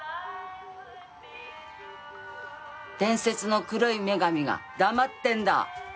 伝説の黒い女神が黙ってんだ？